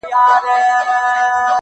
د انسان وجدان د هر څه شاهد پاتې کيږي تل,